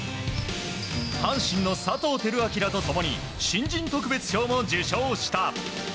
阪神の佐藤輝明らと共に新人特別賞も受賞した。